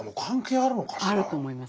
あると思います。